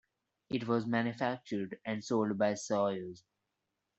It was manufactured and sold by Sawyer's.